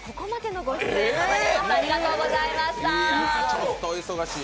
ちょっとお忙しい。